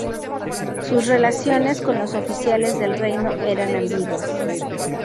Sus relaciones con los oficiales del reino eran ambiguas.